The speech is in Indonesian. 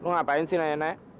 mau ngapain sih nenek nenek